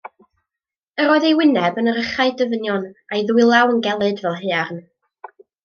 Yr oedd ei wyneb yn rhychau dyfnion, a'i ddwylaw yn gelyd fel haearn.